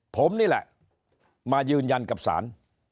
ผมนี่แหละมายืนยันกับศาล